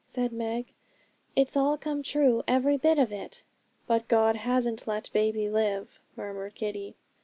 said Meg; 'it's all come true, every bit of it.' 'But God hasn't let baby live,' muttered Kitty.